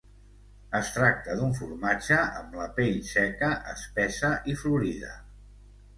Es tracta d'un formatge amb la pell seca, espessa i florida.